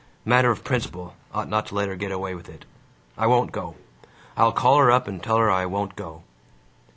Matter of principle: ought not to let her get away with it. I won't go. I'll call her up and tell her I won't go.